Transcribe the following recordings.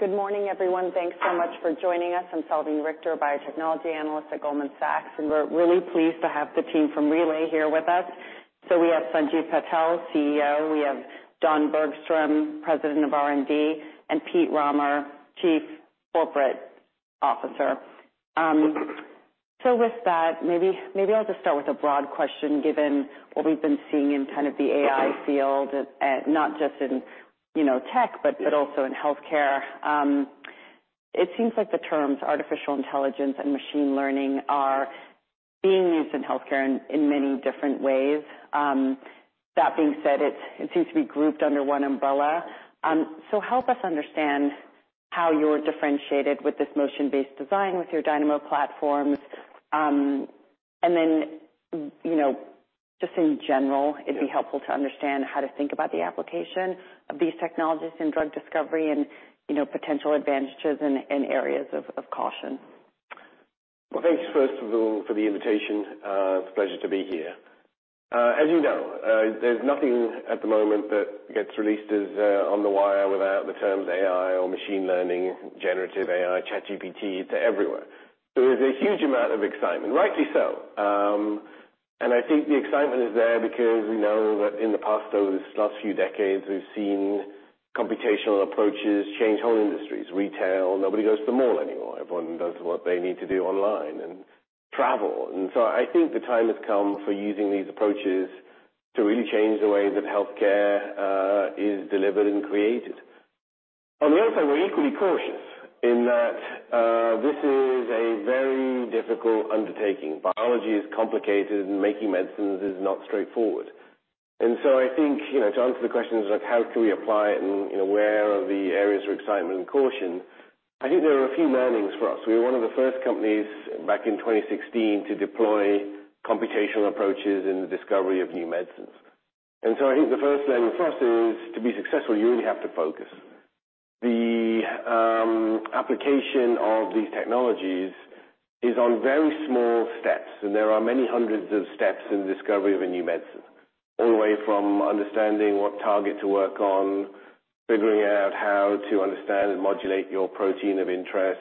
Good morning, everyone. Thanks so much for joining us. I'm Salveen Richter, biotechnology analyst at Goldman Sachs. We're really pleased to have the team from Relay here with us. We have Sanjiv Patel, CEO, we have Don Bergstrom, President of R&D, and Pete Rahmer, Chief Corporate Officer. With that, maybe I'll just start with a broad question, given what we've been seeing in kind of the AI field, and not just in, you know, tech, but also in healthcare. It seems like the terms artificial intelligence and machine learning are being used in many different ways. That being said, it seems to be grouped under one umbrella. Help us understand how you're differentiated with this motion-based design, with your Dynamo platforms. You know, just in general, it'd be helpful to understand how to think about the application of these technologies in drug discovery and, you know, potential advantages and areas of caution. Well, thank you first of all for the invitation. It's a pleasure to be here. As you know, there's nothing at the moment that gets released as on the wire without the terms AI or machine learning, generative AI, ChatGPT, it's everywhere. There is a huge amount of excitement, rightly so. I think the excitement is there because we know that in the past, those last few decades, we've seen computational approaches change whole industries, retail, nobody goes to the mall anymore. Everyone does what they need to do online and travel. I think the time has come for using these approaches to really change the way that healthcare is delivered and created. We're equally cautious in that this is a very difficult undertaking. Biology is complicated, and making medicines is not straightforward. I think, you know, to answer the questions like, how can we apply it and, you know, where are the areas of excitement and caution, I think there are a few learnings for us. We were one of the first companies back in 2016 to deploy computational approaches in the discovery of new medicines. I think the first learning for us is, to be successful, you really have to focus. The application of these technologies is on very small steps, and there are many hundreds of steps in the discovery of a new medicine, all the way from understanding what target to work on, figuring out how to understand and modulate your protein of interest.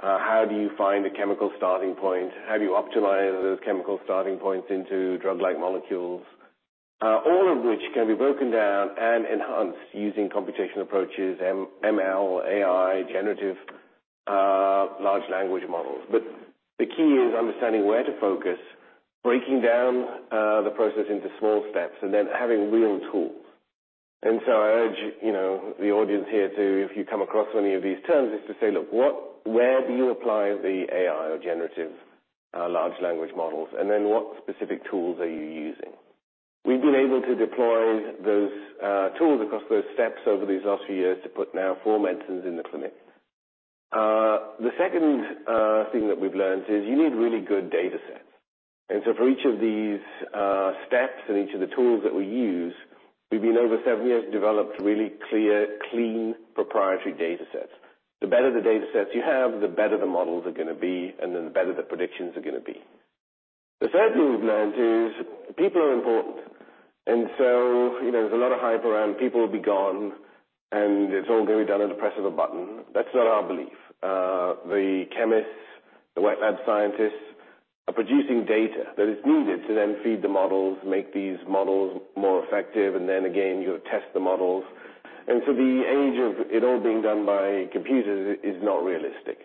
How do you find a chemical starting point? How do you optimize those chemical starting points into drug-like molecules? All of which can be broken down and enhanced using computational approaches, ML, AI, generative large language models. The key is understanding where to focus, breaking down the process into small steps, and then having real tools. I urge, you know, the audience here to, if you come across any of these terms, is to say, "Look, where do you apply the AI or generative large language models, and then what specific tools are you using?" We've been able to deploy those tools across those steps over these last few years to put now four medicines in the clinic. The second thing that we've learned is you need really good datasets. For each of these steps and each of the tools that we use, we've been over seven years, developed really clear, clean, proprietary datasets. The better the datasets you have, the better the models are gonna be, and then the better the predictions are gonna be. The third thing we've learned is people are important. You know, there's a lot of hype around people will be gone, and it's all going to be done at the press of a button. That's not our belief. The chemists, the wet lab scientists, are producing data that is needed to then feed the models, make these models more effective, and then again, you know, test the models. The age of it all being done by computers is not realistic.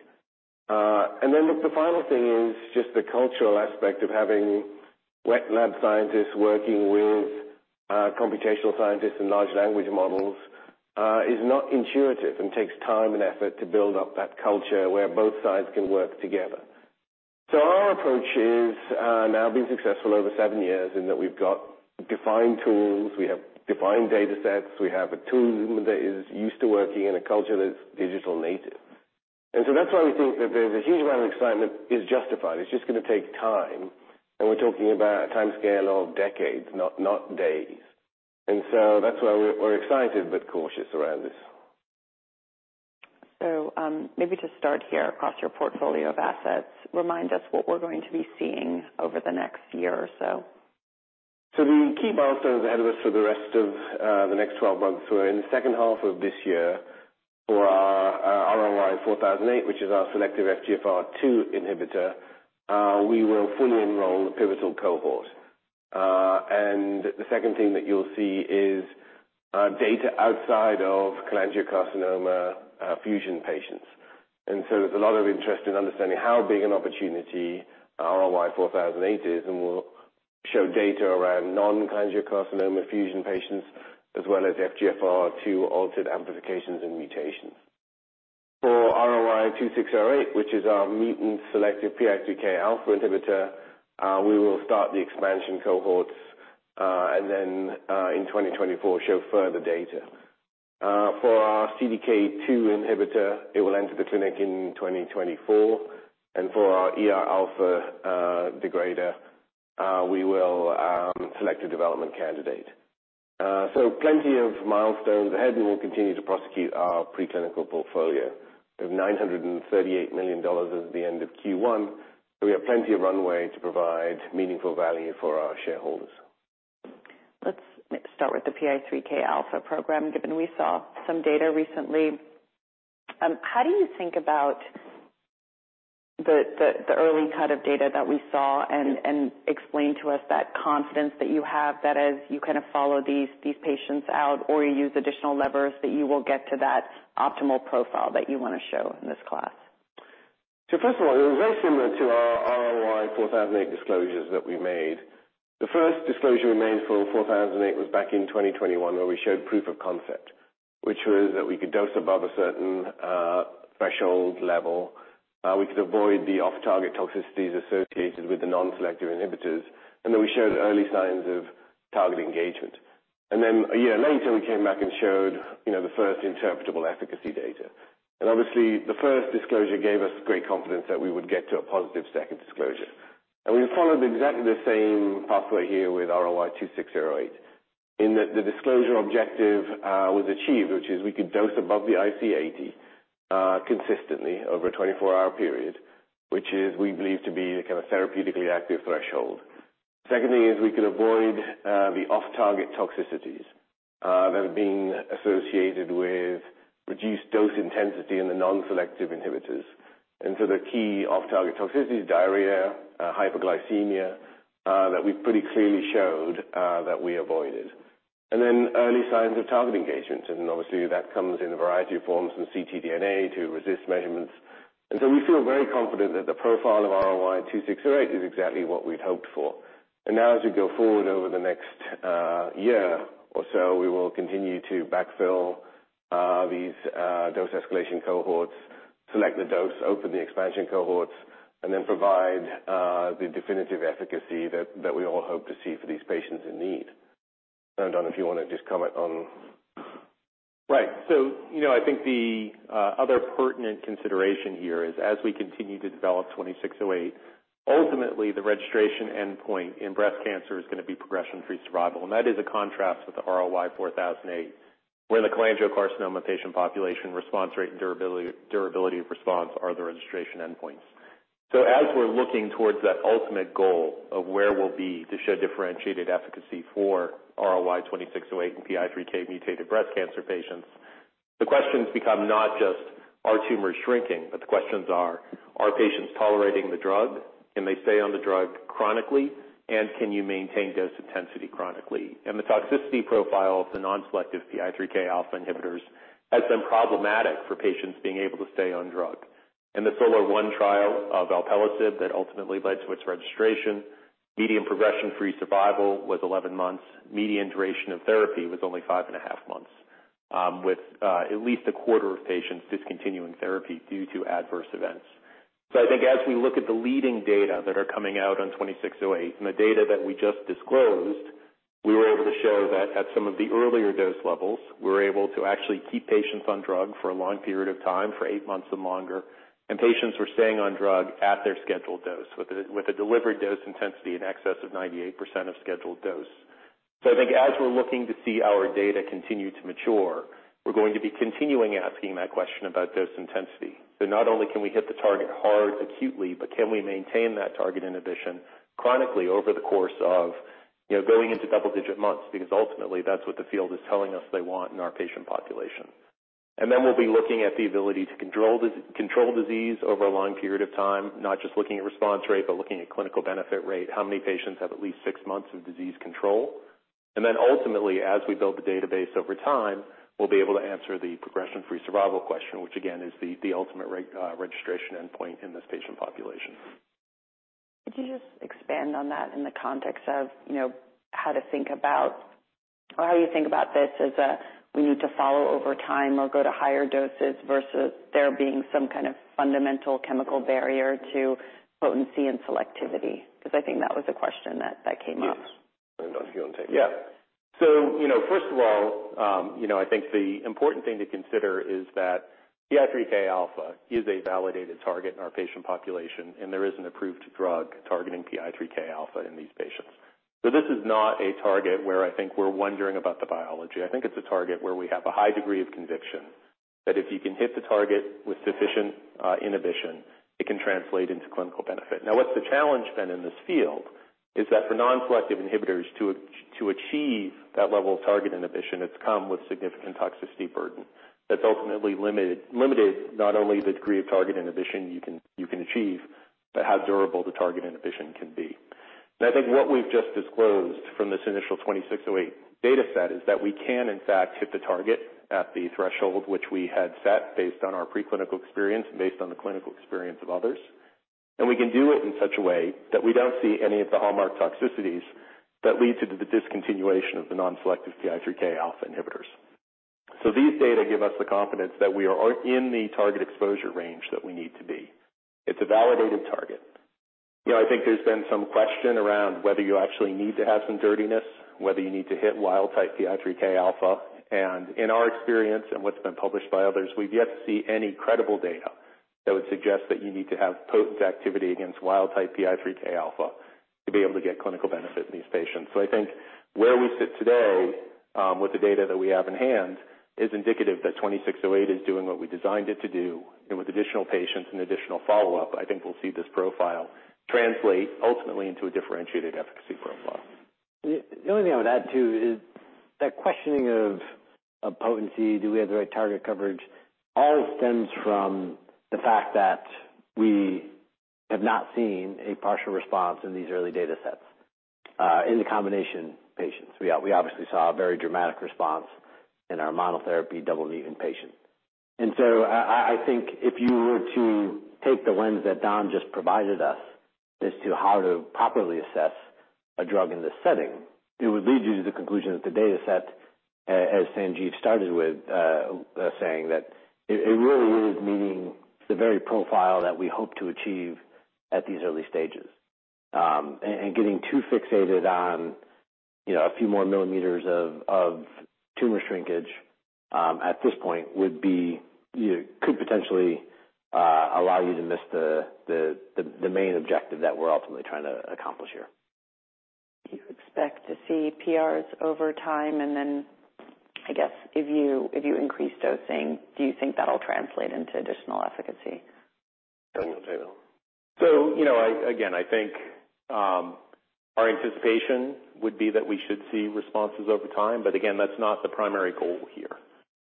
Look, the final thing is just the cultural aspect of having wet lab scientists working with computational scientists and large language models is not intuitive and takes time and effort to build up that culture where both sides can work together. Our approach is now been successful over 7 years, and that we've got defined tools, we have defined datasets, we have a tool that is used to working in a culture that's digital native. That's why we think that there's a huge amount of excitement is justified. It's just gonna take time, and we're talking about a timescale of decades, not days. That's why we're excited but cautious around this. Across your portfolio of assets, remind us what we're going to be seeing over the next year or so. The key milestones ahead of us for the rest of the next 12 months. We're in the H2 of this year for our RLY-4008, which is our selective FGFR2 inhibitor. We will fully enroll the pivotal cohort. The second thing that you'll see is data outside of cholangiocarcinoma fusion patients. There's a lot of interest in understanding how big an opportunity RLY-4008 is, and we'll show data around non-cholangiocarcinoma fusion patients, as well as FGFR2 altered amplifications and mutations. For RLY-2608, which is our mutant selective PI3Kα inhibitor, we will start the expansion cohorts, and then in 2024, show further data. For our CDK2 inhibitor, it will enter the clinic in 2024, and for our ERα degrader, we will select a development candidate. Plenty of milestones ahead, and we'll continue to prosecute our preclinical portfolio. We have $938 million at the end of Q1, so we have plenty of runway to provide meaningful value for our shareholders. ...Let's start with the PI3Kα program, given we saw some data recently. How do you think about the early cut of data that we saw? Explain to us that confidence that you have that as you kind of follow these patients out or you use additional levers, that you will get to that optimal profile that you want to show in this class. First of all, it was very similar to our RLY-4008 disclosures that we made. The first disclosure we made for 4008 was back in 2021, where we showed proof of concept, which was that we could dose above a certain threshold level, we could avoid the off-target toxicities associated with the non-selective inhibitors, and then we showed early signs of target engagement. A year later, we came back and showed, you know, the first interpretable efficacy data. Obviously, the first disclosure gave us great confidence that we would get to a positive second disclosure. We followed exactly the same pathway here with RLY-2608, in that the disclosure objective was achieved, which is we could dose above the IC80 consistently over a 24-hour period, which is we believe to be a kind of therapeutically active threshold. Secondly, is we could avoid the off-target toxicities that have been associated with reduced dose intensity in the non-selective inhibitors. The key off-target toxicities, diarrhea, hyperglycemia, that we pretty clearly showed that we avoided. Then early signs of target engagement, and obviously, that comes in a variety of forms from ctDNA to resist measurements. So we feel very confident that the profile of RLY-2608 is exactly what we'd hoped for. Now, as we go forward over the next year or so, we will continue to backfill these dose escalation cohorts, select the dose, open the expansion cohorts, and then provide the definitive efficacy that we all hope to see for these patients in need. Don if you want to just comment on... Right. You know, I think the other pertinent consideration here is as we continue to develop RLY-2608, ultimately the registration endpoint in breast cancer is going to be progression-free survival. That is a contrast with the RLY-4008, where the cholangiocarcinoma patient population response rate and durability of response are the registration endpoints. As we're looking towards that ultimate goal of where we'll be to show differentiated efficacy for RLY-2608 in PI3K-mutated breast cancer patients, the questions become not just: Are tumors shrinking? The questions are: Are patients tolerating the drug? Can they stay on the drug chronically, and can you maintain dose intensity chronically? The toxicity profile of the non-selective PI3Kα inhibitors has been problematic for patients being able to stay on drug. In the SOLAR-1 trial of Alpelisib that ultimately led to its registration, median progression-free survival was 11 months. Median duration of therapy was only 5.5 months, with at least a quarter of patients discontinuing therapy due to adverse events. I think as we look at the leading data that are coming out on 2608, and the data that we just disclosed, we were able to show that at some of the earlier dose levels, we were able to actually keep patients on drug for a long period of time, for 8 months and longer, and patients were staying on drug at their scheduled dose with a delivered dose intensity in excess of 98% of scheduled dose. I think as we're looking to see our data continue to mature, we're going to be continuing asking that question about dose intensity. Not only can we hit the target hard acutely, but can we maintain that target inhibition chronically over the course of, you know, going into double digit months, because ultimately, that's what the field is telling us they want in our patient population. We'll be looking at the ability to control disease over a long period of time, not just looking at response rate, but looking at clinical benefit rate, how many patients have at least 6 months of disease control? Ultimately, as we build the database over time, we'll be able to answer the progression-free survival question, which again, is the ultimate registration endpoint in this patient population. Could you just expand on that in the context of, you know, how to think about or how you think about this as a, we need to follow over time or go to higher doses versus there being some kind of fundamental chemical barrier to potency and selectivity? Because I think that was a question that came up. Yes. I don't know if you want to take it. you know, first of all, you know, I think the important thing to consider is that PI3Kα is a validated target in our patient population, and there is an approved drug targeting PI3Kα in these patients. This is not a target where I think we're wondering about the biology. I think it's a target where we have a high degree of conviction, that if you can hit the target with sufficient inhibition, it can translate into clinical benefit. What's the challenge then in this field is that for non-selective inhibitors to achieve that level of target inhibition, it's come with significant toxicity burden. That's ultimately limited not only the degree of target inhibition you can achieve, but how durable the target inhibition can be. I think what we've just disclosed from this initial RLY-2608 data set is that we can in fact hit the target at the threshold which we had set, based on our preclinical experience and based on the clinical experience of others. We can do it in such a way that we don't see any of the hallmark toxicities that lead to the discontinuation of the non-selective PI3Kα inhibitors. These data give us the confidence that we are in the target exposure range that we need to be. It's a validated target. You know, I think there's been some question around whether you actually need to have some dirtiness, whether you need to hit wild-type PI3Kα. In our experience and what's been published by others, we've yet to see any credible data that would suggest that you need to have potent activity against wild-type PI3Kα to be able to get clinical benefit in these patients. I think where we sit today, with the data that we have in hand, is indicative that 2608 is doing what we designed it to do, and with additional patients and additional follow-up, I think we'll see this profile translate ultimately into a differentiated efficacy profile. The only thing I would add, too, is that questioning of potency, do we have the right target coverage? All stems from the fact that we have not seen a partial response in these early data sets in the combination patients. We obviously saw a very dramatic response in our monotherapy double mutant patient. I think if you were to take the lens that Don just provided us as to how to properly assess a drug in this setting, it would lead you to the conclusion that the data set as Sanjiv started with, saying that it really is meeting the very profile that we hope to achieve at these early stages. Getting too fixated on, you know, a few more millimeters of tumor shrinkage, at this point, would be, you know, could potentially allow you to miss the main objective that we're ultimately trying to accomplish here. Do you expect to see PRs over time? I guess, if you increase dosing, do you think that'll translate into additional efficacy? Do you want me to take that? You know, I, again, I think our anticipation would be that we should see responses over time, but again, that's not the primary goal here,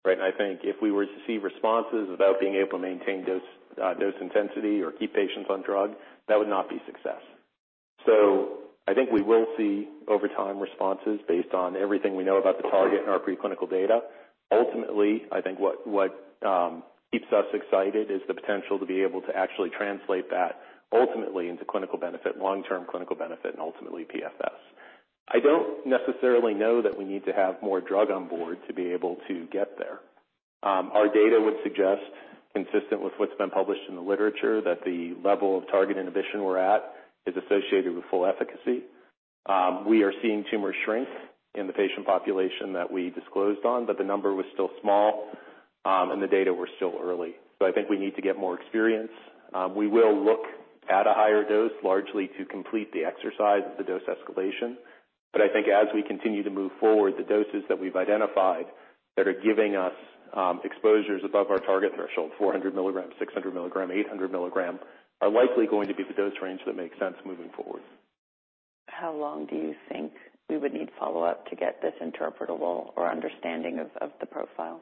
right? I think if we were to see responses without being able to maintain dose intensity or keep patients on drug, that would not be success. I think we will see, over time, responses based on everything we know about the target and our preclinical data. Ultimately, I think what keeps us excited is the potential to be able to actually translate that ultimately into clinical benefit, long-term clinical benefit, and ultimately, PFS. I don't necessarily know that we need to have more drug on board to be able to get there. Our data would suggest, consistent with what's been published in the literature, that the level of target inhibition we're at is associated with full efficacy. We are seeing tumor shrink in the patient population that we disclosed on, the number was still small, and the data were still early. I think we need to get more experience. We will look at a higher dose, largely to complete the exercise of the dose escalation. I think as we continue to move forward, the doses that we've identified that are giving us exposures above our target threshold, 400mg, 600mg, 800mg, are likely going to be the dose range that makes sense moving forward. How long do you think we would need follow-up to get this interpretable or understanding of the profile?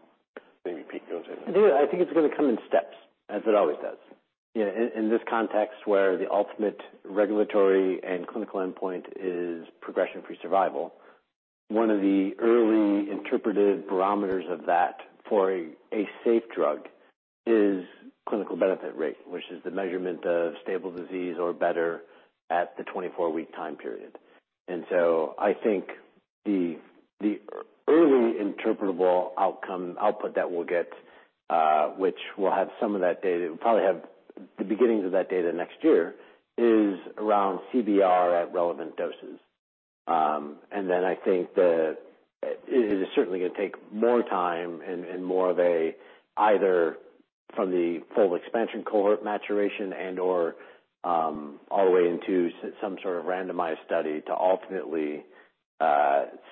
Maybe Pete goes in. Yeah, I think it's going to come in steps, as it always does. In this context, where the ultimate regulatory and clinical endpoint is progression-free survival, one of the early interpreted barometers of that for a safe drug is clinical benefit rate, which is the measurement of stable disease or better at the 24-week time period. I think the early interpretable outcome output that we'll get, which we'll have some of that data, we'll probably have the beginnings of that data next year, is around CBR at relevant doses. I think it is certainly going to take more time and more of a either from the full expansion cohort maturation and/or all the way into some sort of randomized study to ultimately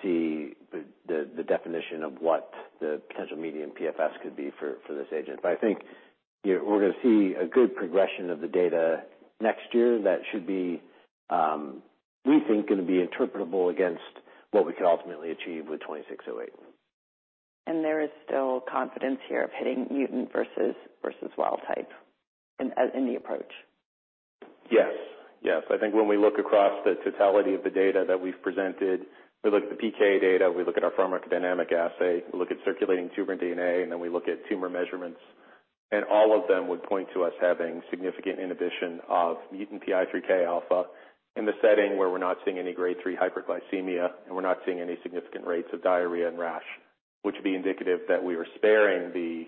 see the definition of what the potential median PFS could be for this agent. I think, we're going to see a good progression of the data next year that should be, we think, going to be interpretable against what we could ultimately achieve with 2608. There is still confidence here of hitting mutant versus wild type in the approach? Yes. Yes. I think when we look across the totality of the data that we've presented, we look at the PK data, we look at our pharmacodynamic assay, we look at circulating tumor DNA. Then we look at tumor measurements. All of them would point to us having significant inhibition of mutant PI3Kα in the setting where we're not seeing any grade 3 hyperglycemia. We're not seeing any significant rates of diarrhea and rash, which would be indicative that we are sparing the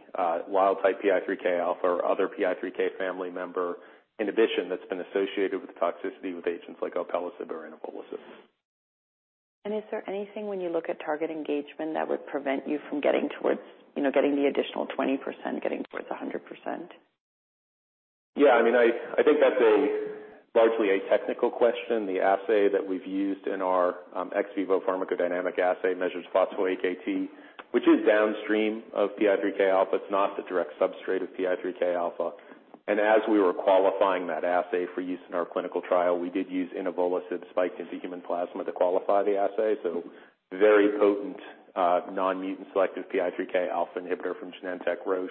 wild-type PI3Kα or other PI3K family member inhibition that's been associated with the toxicity with agents like Alpelisib or Inavolisib. Is there anything, when you look at target engagement, that would prevent you from getting towards, you know, getting the additional 20%, getting towards 100%? Yeah, I mean, I think that's a largely a technical question. The assay that we've used in our ex vivo pharmacodynamic assay measures phospho-Akt, which is downstream of PI3Kα. It's not the direct substrate of PI3Kα. As we were qualifying that assay for use in our clinical trial, we did use Inavolisib spiked into human plasma to qualify the assay. Very potent non-mutant selective PI3Kα inhibitor from Genentech Roche.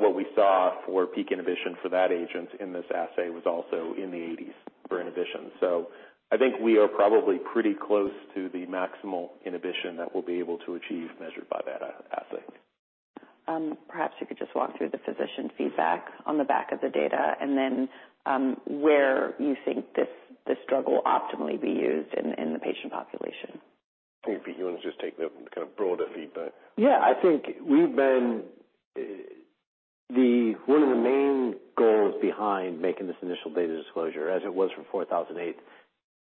What we saw for peak inhibition for that agent in this assay was also in the 80s for inhibition. I think we are probably pretty close to the maximal inhibition that we'll be able to achieve measured by that assay. Perhaps you could just walk through the physician feedback on the back of the data, and then, where you think this drug will optimally be used in the patient population. Maybe, Pete, you want to just take the kind of broader feedback? Yeah. I think we've been. One of the main goals behind making this initial data disclosure, as it was for RLY-4008,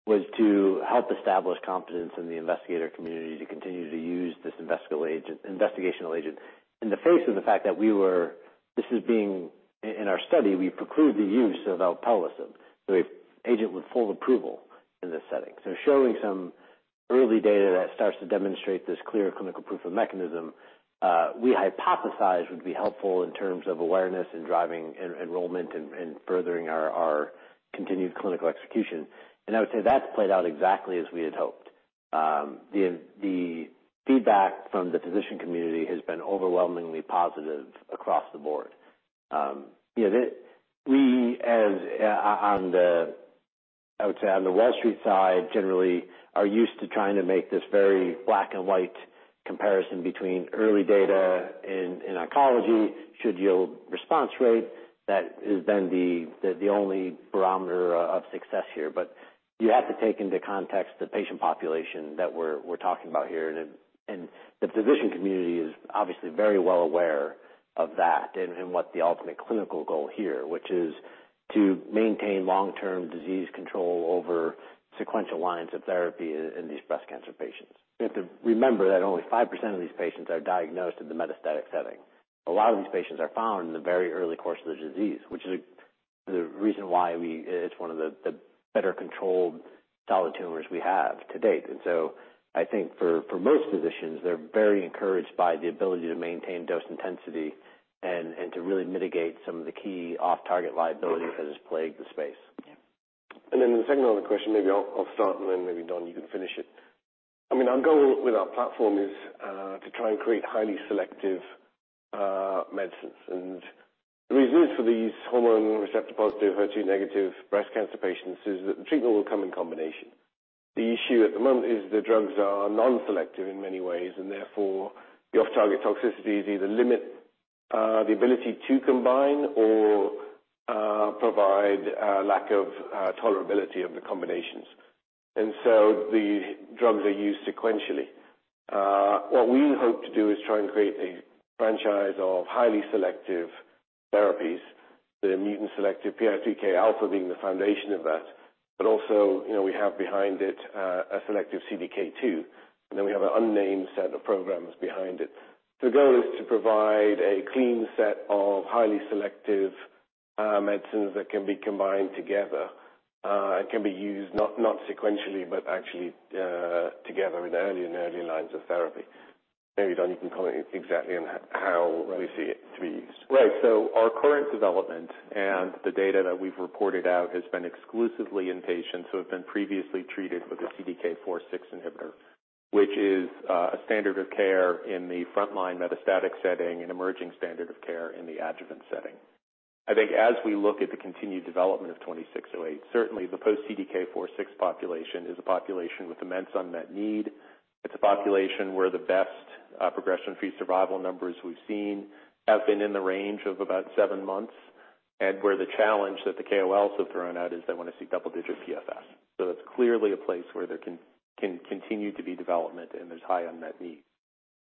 was to help establish confidence in the investigator community to agent, investigational agent. In the face of the fact that this is being, in our study, we preclude the use of Alpelisib, an agent with full approval in this setting. Showing some early data that starts to demonstrate this clear clinical proof of mechanism, we hypothesized would be helpful in terms of awareness and driving enrollment and furthering our continued clinical execution. I would say that's played out exactly as we had hoped. The feedback from the physician community has been overwhelmingly positive across the board. You know, we as, on the, I would say, on the Wall Street side, generally are used to trying to make this very black and white comparison between early data in oncology, should yield response rate, that is then the only barometer of success here. You have to take into context the patient population that we're talking about here, and the physician community is obviously very well aware of that and what the ultimate clinical goal here, which is to maintain long-term disease control over sequential lines of therapy in these breast cancer patients. You have to remember that only 5% of these patients are diagnosed in the metastatic setting. A lot of these patients are found in the very early course of the disease, which is the reason why it's one of the better controlled solid tumors we have to date. I think for most physicians, they're very encouraged by the ability to maintain dose intensity and to really mitigate some of the key off-target liabilities that has plagued the space. Yeah. The second other question, maybe I'll start, and then maybe, Don, you can finish it. I mean, our goal with our platform is to try and create highly selective medicines. The reason for these hormone receptor-positive, HER2-negative breast cancer patients is that the treatment will come in combination. The issue at the moment is the drugs are non-selective in many ways, and therefore, the off-target toxicities either limit the ability to combine or provide a lack of tolerability of the combinations. The drugs are used sequentially. What we hope to do is try and create a franchise of highly selective therapies, the mutant selective PI3K-alpha being the foundation of that, but also, you know, we have behind it a selective CDK2, and then we have an unnamed set of programs behind it. The goal is to provide a clean set of highly selective medicines that can be combined together and can be used not sequentially, but actually together in early lines of therapy. Maybe, Don, you can comment exactly on how we see it to be used. Right. Our current development and the data that we've reported out has been exclusively in patients who have been previously treated with a CDK4/6 inhibitor, which is a standard of care in the frontline metastatic setting, an emerging standard of care in the adjuvant setting. I think as we look at the continued development of RLY-2608, certainly the post-CDK4/6 population is a population with immense unmet need. It's a population where the best progression-free survival numbers we've seen have been in the range of about seven months, and where the challenge that the KOLs have thrown out is they want to see double-digit PFS. That's clearly a place where there can continue to be development and there's high unmet need.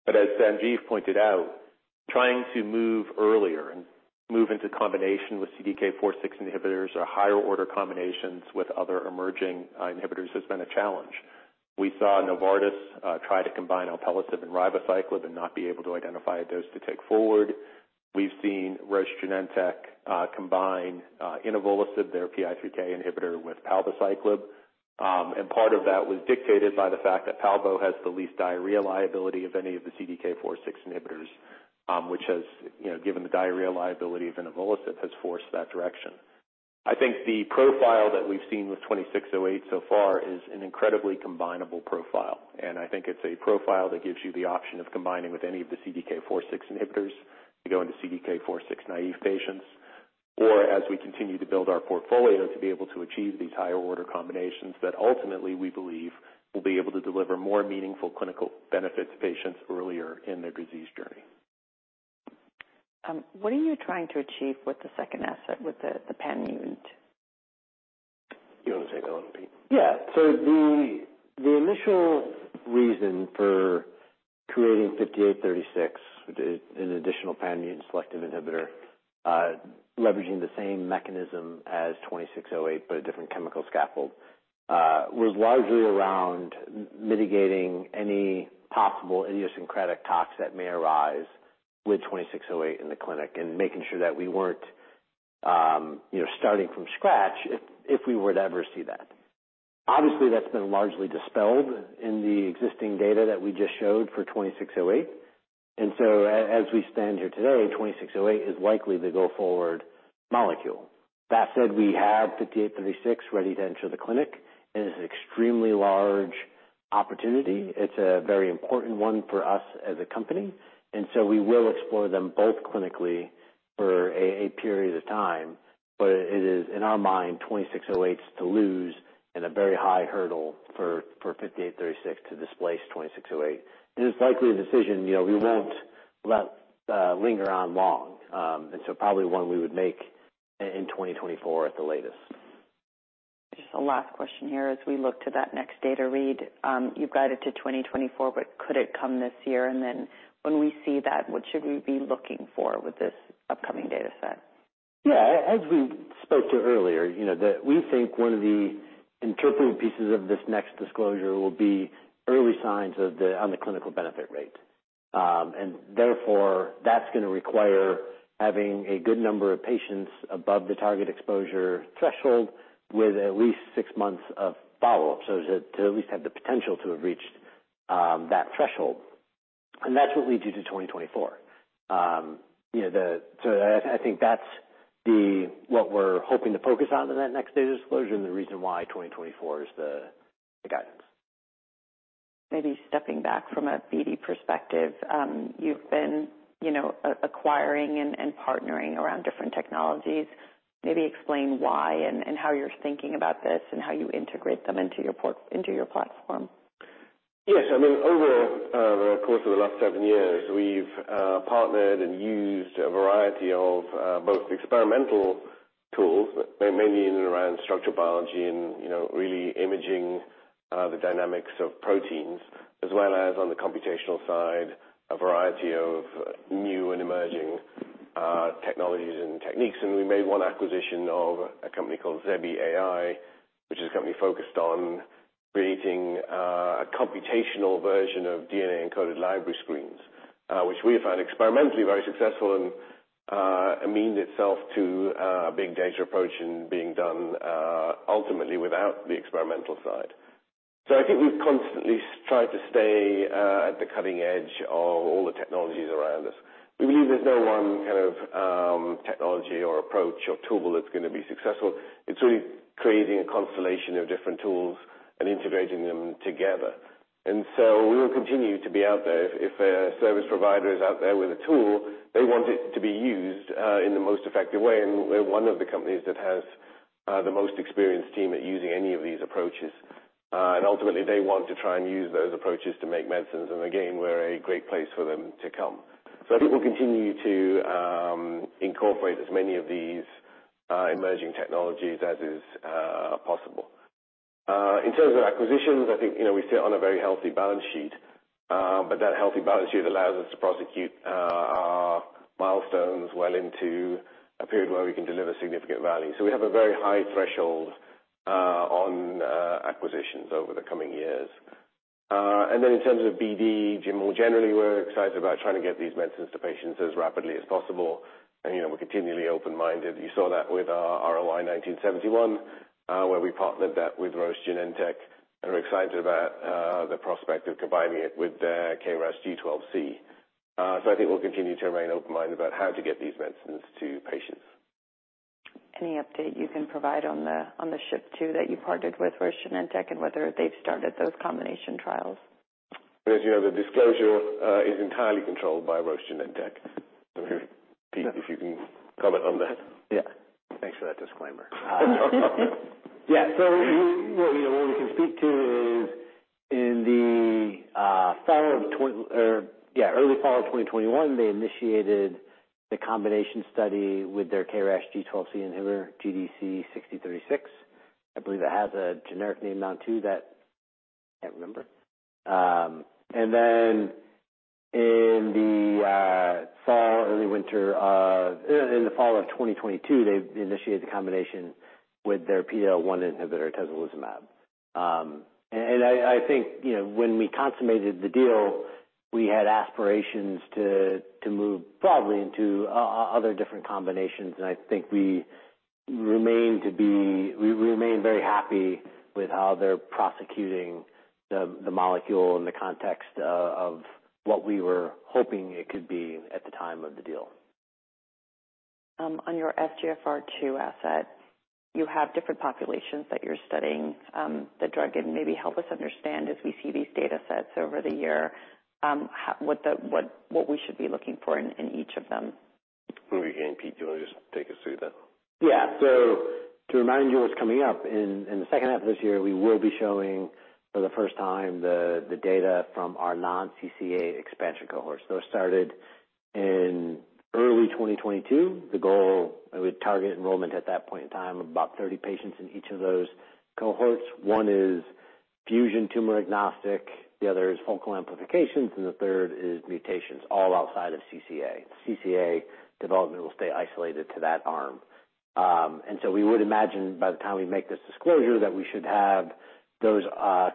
As Sanjiv pointed out, trying to move earlier and move into combination with CDK4/6 inhibitors or higher order combinations with other emerging inhibitors has been a challenge. We saw Novartis try to combine Alpelisib and Ribociclib and not be able to identify a dose to take forward. We've seen Roche Genentech combine Inavolisib, their PI3K inhibitor, with palbociclib. Part of that was dictated by the fact that Palbo has the least diarrhea liability of any of the CDK4/6 inhibitors, which has, you know, given the diarrhea liability of Inavolisib, has forced that direction. I think the profile that we've seen with RLY-2608 so far is an incredibly combinable profile. I think it's a profile that gives you the option of combining with any of the CDK4/6 inhibitors to go into CDK4/6 naive patients, or as we continue to build our portfolio, to be able to achieve these higher order combinations that ultimately, we believe will be able to deliver more meaningful clinical benefits to patients earlier in their disease journey. What are you trying to achieve with the second asset, with the PAM mutant? You want to take that one, Pete? Yeah. The initial reason for creating RLY-5836, which is an additional PAM mutant selective inhibitor, leveraging the same mechanism as RLY-2608, but a different chemical scaffold, was largely around mitigating any possible idiosyncratic tox that may arise with RLY-2608 in the clinic and making sure that we weren't, you know, starting from scratch if we were to ever see that. Obviously, that's been largely dispelled in the existing data that we just showed for RLY-2608, as we stand here today, RLY-2608 is likely the go forward molecule. That said, we have RLY-5836 ready to enter the clinic, and it's an extremely large opportunity. It's a very important one for us as a company, we will explore them both clinically for a period of time. It is, in our mind, RLY-2608's to lose and a very high hurdle for RLY-5836 to displace RLY-2608. This is likely a decision, you know, we won't let linger on long, and so probably one we would make in 2024 at the latest. Just a last question here. We look to that next data read, you've guided to 2024, but could it come this year? When we see that, what should we be looking for with this upcoming data set? Yeah, as we spoke to earlier, you know, we think one of the interpretive pieces of this next disclosure will be early signs of the, on the clinical benefit rate. Therefore, that's gonna require having a good number of patients above the target exposure threshold with at least six months of follow-up, so to at least have the potential to have reached that threshold. That's what leads you to 2024. You know, so I think that's what we're hoping to focus on in that next data disclosure, the reason why 2024 is the guidance. Maybe stepping back from a BD perspective, you've been, you know, acquiring and partnering around different technologies. Maybe explain why and how you're thinking about this and how you integrate them into your platform? Yes. I mean, over the course of the last seven years, we've partnered and used a variety of both experimental tools, but mainly in and around structural biology and, you know, really imaging the dynamics of proteins, as well as on the computational side, a variety of new and emerging technologies and techniques. We made one acquisition of a company called ZebiAI, which is a company focused on creating a computational version of DNA-encoded library screens, which we found experimentally very successful and amended itself to a big data approach and being done ultimately without the experimental side. I think we've constantly tried to stay at the cutting edge of all the technologies around us. We believe there's no one kind of technology or approach or tool that's gonna be successful. It's really creating a constellation of different tools and integrating them together. We will continue to be out there. If a service provider is out there with a tool, they want it to be used in the most effective way, and we're one of the companies that has the most experienced team at using any of these approaches. Ultimately, they want to try and use those approaches to make medicines, and again, we're a great place for them to come. I think we'll continue to incorporate as many of these emerging technologies as is possible. In terms of acquisitions, I think, you know, we sit on a very healthy balance sheet, but that healthy balance sheet allows us to prosecute our milestones well into a period where we can deliver significant value. We have a very high threshold on acquisitions over the coming years. In terms of BD, Jim, well, generally, we're excited about trying to get these medicines to patients as rapidly as possible, and, you know, we're continually open-minded. You saw that with our RLY-1971, where we partnered that with Roche Genentech, and we're excited about the prospect of combining it with their KRAS G12C. I think we'll continue to remain open-minded about how to get these medicines to patients. Any update you can provide on the SHP2 that you partnered with Roche Genentech and whether they've started those combination trials? As you know, the disclosure, is entirely controlled by Roche Genentech. I mean, Pete, if you can comment on that. Thanks for that disclaimer. What we can speak to is in the early fall of 2021, they initiated the combination study with their KRAS G12C inhibitor, GDC-6036. I believe it has a generic name now, too, that I can't remember. In the fall of 2022, they initiated the combination with their PD-L1 inhibitor, Atezolizumab. I think, you know, when we consummated the deal, we had aspirations to move broadly into other different combinations, I think we remain very happy with how they're prosecuting the molecule in the context of what we were hoping it could be at the time of the deal. On your FGFR2 asset, you have different populations that you're studying the drug in. Maybe help us understand as we see these data sets over the year, how, what the, what we should be looking for in each of them? Maybe, again, Pete, do you want to just take us through that? To remind you what's coming up, in the H2 of this year, we will be showing for the first time the data from our non-CCA expansion cohorts. Those started in early 2022. The goal with target enrollment at that point in time, about 30 patients in each of those cohorts. One is fusion tumor agnostic, the other is focal amplifications, and the third is mutations, all outside of CCA. CCA development will stay isolated to that arm. We would imagine by the time we make this disclosure, that we should have those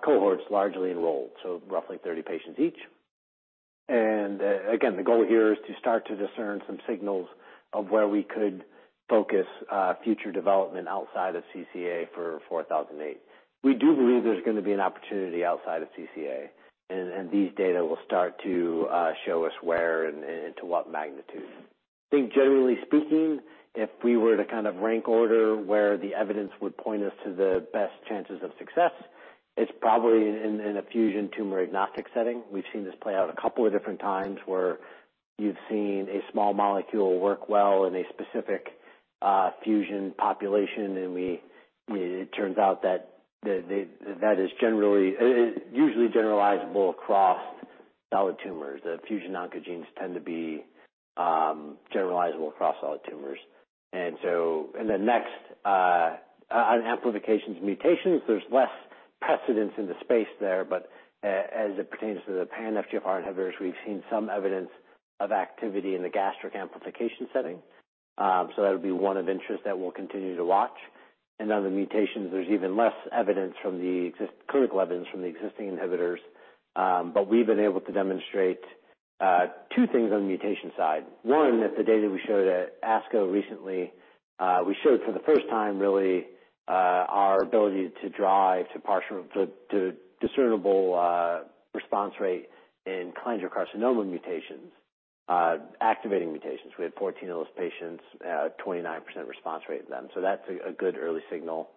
cohorts largely enrolled, so roughly 30 patients each. Again, the goal here is to start to discern some signals of where we could focus future development outside of CCA for RLY-4008. We do believe there's gonna be an opportunity outside of CCA, and these data will start to show us where and to what magnitude. I think generally speaking, if we were to kind of rank order where the evidence would point us to the best chances of success, it's probably in a fusion tumor-agnostic setting. We've seen this play out a couple of different times where you've seen a small molecule work well in a specific fusion population, it turns out that that is generally usually generalizable across solid tumors. The fusion oncogenes tend to be generalizable across all tumors. Then next on amplifications mutations, there's less precedence in the space there, but as it pertains to the pan-FGFR inhibitors, we've seen some evidence of activity in the gastric amplification setting. So that would be one of interest that we'll continue to watch. On the mutations, there's even less evidence from clinical evidence from the existing inhibitors. But we've been able to demonstrate two things on the mutation side. One, that the data we showed at ASCO recently, we showed for the first time really, our ability to drive to partial, to discernible response rate in KRAS carcinoma mutations, activating mutations. We had 14 of those patients at a 29% response rate in them, so that's a good early signal.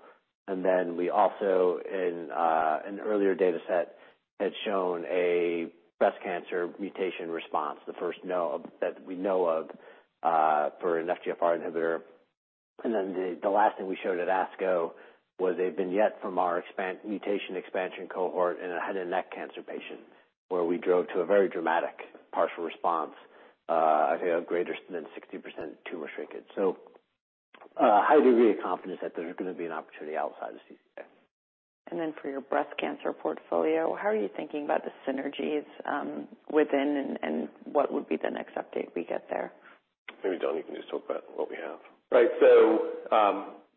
We also, in an earlier data set, had shown a breast cancer mutation response, the first know of, that we know of, for an FGFR inhibitor. The last thing we showed at ASCO was a vignette from our expand... mutation expansion cohort in a head and neck cancer patient, where we drove to a very dramatic partial response, I think a greater than 60% tumor shrinkage. highly really confident that there's gonna be an opportunity outside of CCA. For your breast cancer portfolio, how are you thinking about the synergies within and what would be the next update we get there? Maybe, Don, you can just talk about what we have. Right.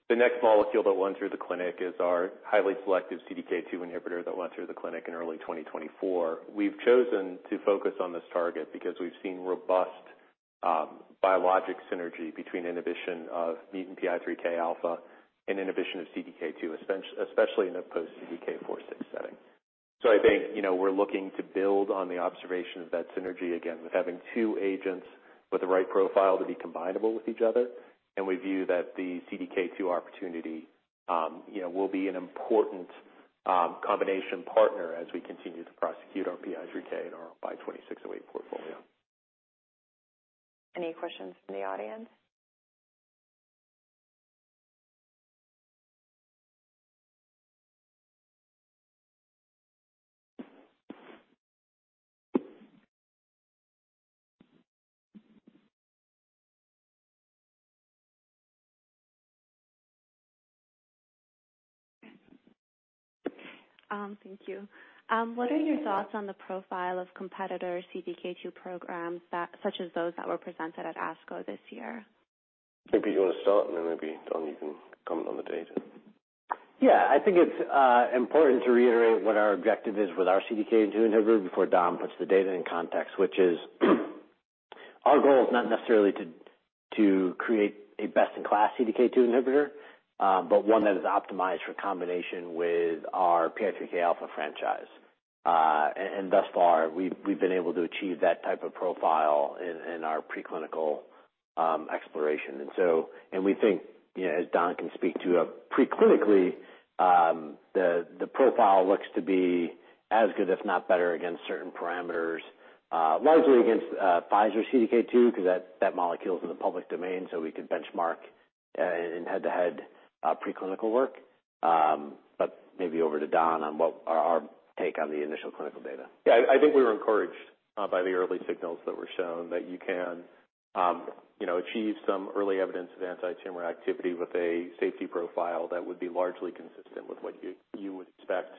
The next molecule that went through the clinic is our highly selective CDK2 inhibitor that went through the clinic in early 2024. We've chosen to focus on this target because we've seen robust biologic synergy between inhibition of MET and PI3Kα and inhibition of CDK2, especially in a post CDK4/6 setting. I think, you know, we're looking to build on the observation of that synergy again, with having two agents with the right profile to be combinable with each other, and we view that the CDK2 opportunity, you know, will be an important combination partner as we continue to prosecute our PI3K and our RLY-2608 portfolio. Any questions from the audience? Thank you. What are your thoughts on the profile of competitor CDK2 programs that, such as those that were presented at ASCO this year? Maybe you want to start, maybe Don, you can comment on the data. Yeah, I think it's important to reiterate what our objective is with our CDK2 inhibitor before Don puts the data in context, which is, our goal is not necessarily to create a best-in-class CDK2 inhibitor, but one that is optimized for combination with our PI3Kα franchise. And thus far, we've been able to achieve that type of profile in our preclinical exploration. We think, you know, as Don can speak to, preclinically, the profile looks to be as good, if not better, against certain parameters, largely against Pfizer CDK2, 'cause that molecule is in the public domain, so we could benchmark in head-to-head preclinical work. Over to Don on what are our take on the initial clinical data. I think we were encouraged by the early signals that were shown that you can, you know, achieve some early evidence of antitumor activity with a safety profile that would be largely consistent with what you would expect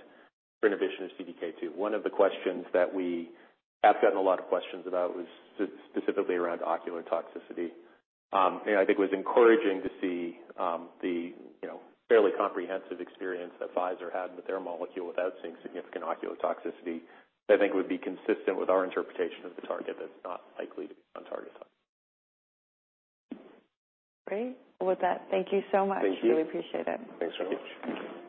for inhibition of CDK2. One of the questions that we have gotten a lot of questions about was specifically around ocular toxicity. I think it was encouraging to see, you know, the fairly comprehensive experience that Pfizer had with their molecule without seeing significant ocular toxicity. I think it would be consistent with our interpretation of the target that's not likely to be on target. Great. With that, thank you so much. Thank you. Really appreciate it. Thanks so much. Thanks.